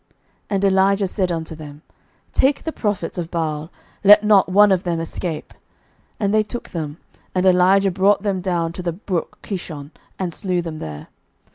11:018:040 And Elijah said unto them, Take the prophets of Baal; let not one of them escape. And they took them: and Elijah brought them down to the brook Kishon, and slew them there.